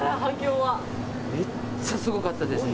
めっちゃすごかったですね。